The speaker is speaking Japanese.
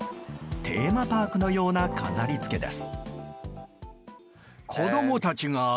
テーマパークのような飾りつけです。